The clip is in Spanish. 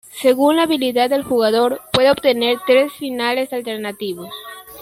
Según la habilidad del jugador puede obtener tres finales alternativos.